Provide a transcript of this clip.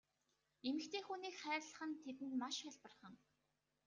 Эмэгтэй хүнийг хайрлах нь тэдэнд маш хялбархан.